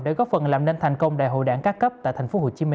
để góp phần làm nên thành công đại hội đảng các cấp tại tp hcm